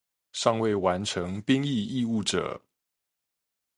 尚未完成兵役義務者